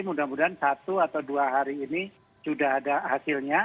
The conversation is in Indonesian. mudah mudahan satu atau dua hari ini sudah ada hasilnya